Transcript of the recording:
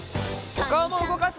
おかおもうごかすよ！